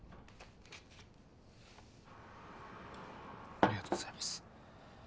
ありがとうございます。